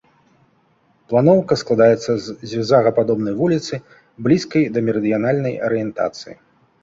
Планоўка складаецца з зігзагападобнай вуліцы, блізкай да мерыдыянальнай арыентацыі.